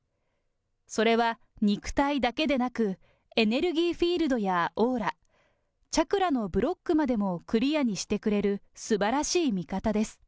それは肉体だけでなく、エネルギーフィールドやオーラ、チャクラのブロックまでもクリアにしてくれるすばらしい味方です。